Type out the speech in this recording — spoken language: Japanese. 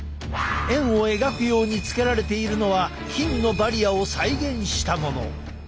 円を描くようにつけられているのは菌のバリアを再現したもの。